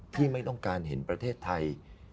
ไม่ต้องการเห็นประเทศไทย